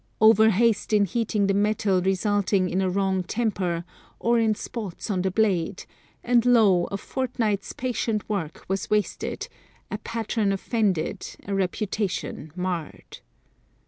Overhaste in heating the metal resulting in a wrong temper, or in spots on the blade, and, lo, a fortnight's patient work was wasted, a patron offended, a reputation marred.